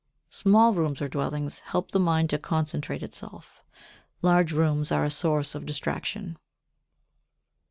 44. Small rooms or dwellings help the mind to concentrate itself; large rooms are a source of distraction.